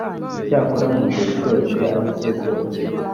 icyakora mu gihe icyo ari cyo cyose